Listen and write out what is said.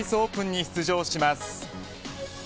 オープンに出場します。